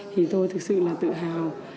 thì tôi thực sự là tự hào